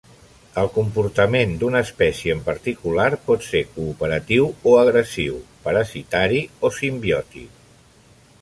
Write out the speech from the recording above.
El comportament d'una espècie en particular pot ser cooperatiu o agressiu; parasitari o simbiòtic.